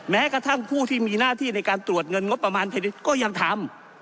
แม้กระทั่งผู้ที่มีหน้าที่ในการตรวจเงินงบประมาณแผ่นดินก็ยังทำ